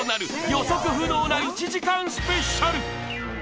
予測不能な１時間スペシャル